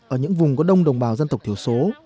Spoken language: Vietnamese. ở những vùng có đông đồng bào dân tộc thiểu số